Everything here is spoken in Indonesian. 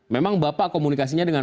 memang bapak komunikasinya dengan